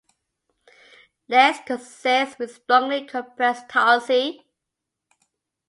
Legs consists with strongly compressed tarsi.